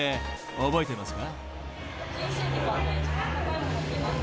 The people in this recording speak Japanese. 覚えてますか？］